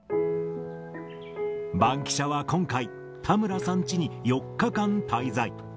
バンキシャは今回、田村さんチに４日間滞在。